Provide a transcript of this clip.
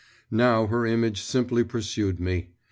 … Now her image simply pursued me.